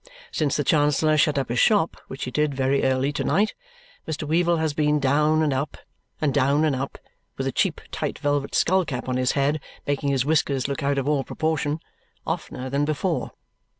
Since the Chancellor shut up his shop, which he did very early to night, Mr. Weevle has been down and up, and down and up (with a cheap tight velvet skull cap on his head, making his whiskers look out of all proportion), oftener than before.